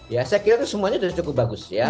ya saya kira semuanya sudah cukup bagus